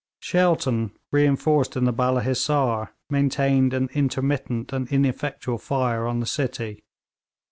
Shelton, reinforced in the Balla Hissar, maintained an intermittent and ineffectual fire on the city.